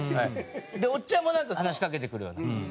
でおっちゃんもなんか話しかけてくるような。